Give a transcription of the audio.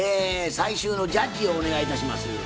最終のジャッジをお願いいたします。